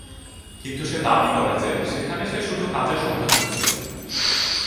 কিন্তু সে দাবি করে যে সেখানে সে শুধু কাজের সন্ধান করছিল।